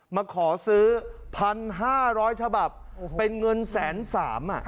มาขอซื้อ๑๕๐๐ฉบับเป็นเงินแสนสามอ่ะ